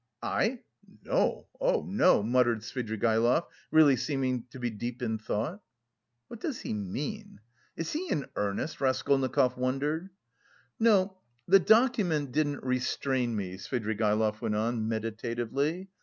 "I... No, oh, no," muttered Svidrigaïlov really seeming to be deep in thought. "What does he mean? Is he in earnest?" Raskolnikov wondered. "No, the document didn't restrain me," Svidrigaïlov went on, meditatively.